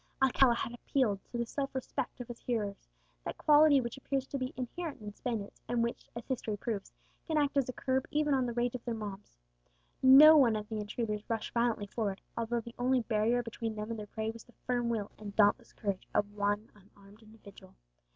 Alcala had appealed to the self respect of his hearers that quality which appears to be inherent in Spaniards, and which, as history proves, can act as a curb even on the rage of their mobs. No one of the intruders rushed violently forward, although the only barrier between them and their prey was the firm will and dauntless courage of one unarmed individual.